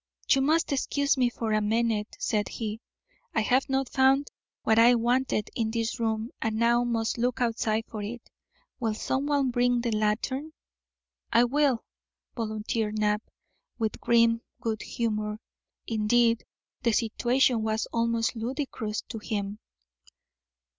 "You must excuse me for a minute," said he; "I have not found what I wanted in this room and now must look outside for it. Will someone bring the lantern?" "I will," volunteered Knapp, with grim good humour. Indeed, the situation was almost ludicrous to him.